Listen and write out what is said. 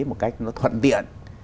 một cách nó thuận tiện